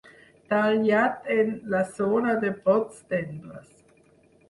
Tallat en la zona de brots tendres.